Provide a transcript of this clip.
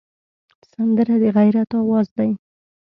سندره د غیرت آواز دی